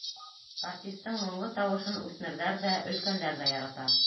Артистың моңло тауышын үҫмерҙәр ҙә, өлкәндәр ҙә ярата.